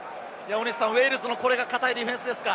ウェールズの堅いディフェンスですか？